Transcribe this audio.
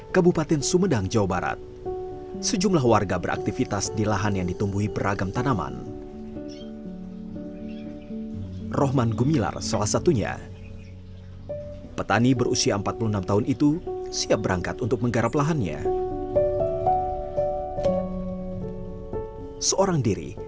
kisah bintang bintang